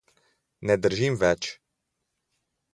Ne držim več.